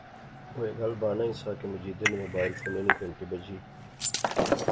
او ایہہ گل بانا ایہہ سا کہ مجیدے نےموبائل فونے نی گھنتی بجی